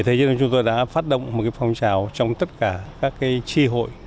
thế giới chúng tôi đã phát động một phong trào trong tất cả các tri hội